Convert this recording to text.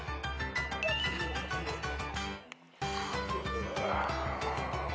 うわ。